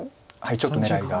ちょっと狙いが。